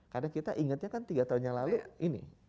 karena kita ingetnya kan tiga tahun yang lalu ini